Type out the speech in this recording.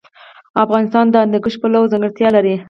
افغانستان د هندوکش پلوه ځانګړتیاوې لري.